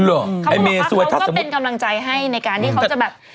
เขาก็เป็นกำลังใจให้ในการที่เขาจะแบบ